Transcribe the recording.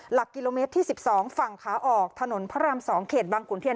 หลักกิโลเมตรที่๑๒ฝั่งขาออกถนนพระราม๒เขตบางขุนเทียน